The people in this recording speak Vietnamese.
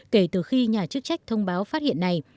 kể từ khi nhà chức trách thông báo phát hiện này